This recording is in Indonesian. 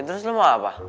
eh terus lo mau apa